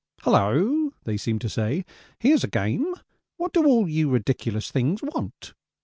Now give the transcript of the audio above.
'Hulloa,' they seem to say, 'here's a game what do all you ridiculous things want?'